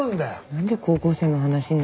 なんで高校生の話になるの？